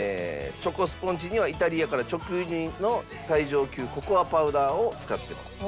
チョコスポンジにはイタリアから直輸入の最上級ココアパウダーを使ってます。